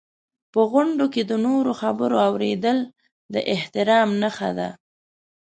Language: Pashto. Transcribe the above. په غونډو کې د نورو خبرو اورېدل د احترام نښه ده.